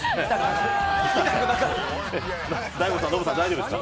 大悟さん、ノブさん大丈夫ですか。